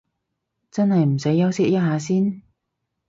真係唔使休息一下先？